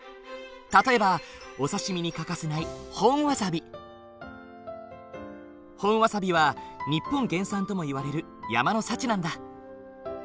例えばお刺身に欠かせない本わさびは日本原産ともいわれる山の幸なんだ。